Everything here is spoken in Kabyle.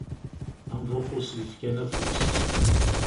Am Buxus yefkan afus.